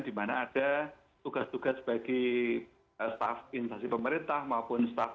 di mana ada tugas tugas bagi staf instansi pemerintah maupun staff